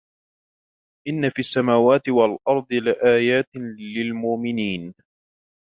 إِنَّ فِي السَّمَاوَاتِ وَالْأَرْضِ لَآيَاتٍ لِلْمُؤْمِنِينَ